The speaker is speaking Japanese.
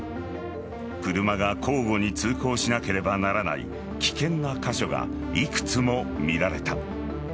車が交互に通行しなければならない危険な箇所がいくつも見られた。